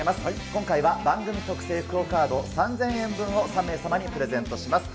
今回は、番組特製ＱＵＯカード３０００円分を３名様にプレゼントします。